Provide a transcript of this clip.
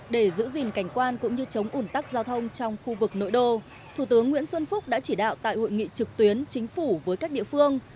để giữ gìn cảnh quan cũng như chống ủn tắc giao thông trong khu vực nội đô thủ tướng nguyễn xuân phúc đã chỉ đạo tại hội nghị trực tuyến chính phủ với các địa phương